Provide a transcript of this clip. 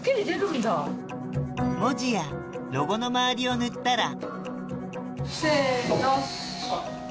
文字やロゴの周りを塗ったらせの！